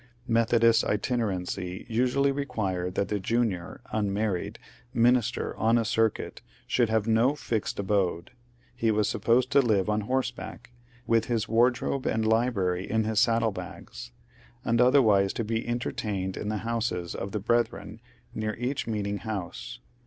Methodist itinerancy usually required that the junior (unmarried) minister on a circuit should have no fixed abode : he was supposed to live on horseback, with his wardrobe and library in his saddle bags ; and otherwise to be entertained in the houses of the *' brethren near each meeting house.